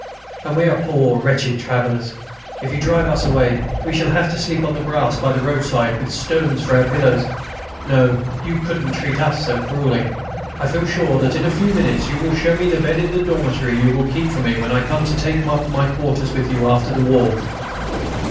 And we are poor wretched travellers. If you drive us away, we shall have to sleep on the grass by the roadside, with stones for our pillows. No, you couldn't treat us so cruelly. I feel sure that in a few minutes you will show me the bed in the dormitory you will keep for me when I come to take up my quarters with you after the war."